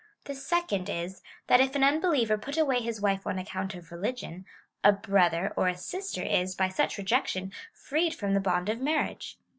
The second is, that if an unbeliever put away his wife on account of religion, a brother or a sister is, by such rejection, freed from the bond of mar riage.